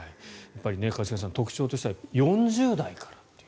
一茂さん、特徴としては４０代からという。